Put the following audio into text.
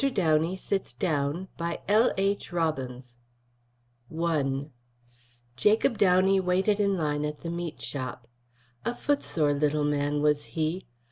DOWNEY SITS DOWN By L.H. ROBBINS From Everybody's I Jacob Downey waited in line at the meat shop. A footsore little man was he.